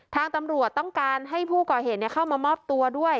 ทางตำรวจต้องการให้ผู้ก่อเหตุเข้ามามอบตัวด้วย